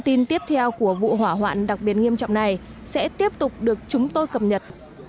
tin tiếp theo của vụ hỏa hoạn đặc biệt nghiêm trọng này sẽ tiếp tục được chúng tôi cập nhật